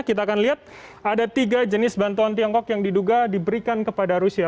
kita akan lihat ada tiga jenis bantuan tiongkok yang diduga diberikan kepada rusia